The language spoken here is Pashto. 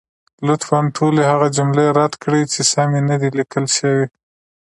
لطفا ټولې هغه جملې رد کړئ، چې سمې نه دي لیکل شوې.